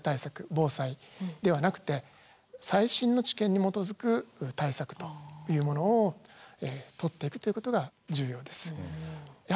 防災ではなくて最新の知見に基づく対策というものを取っていくということが重要です。